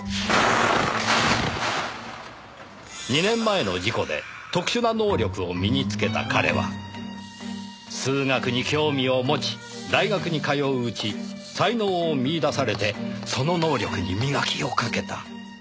２年前の事故で特殊な能力を身につけた彼は数学に興味を持ち大学に通ううち才能を見いだされてその能力に磨きをかけた。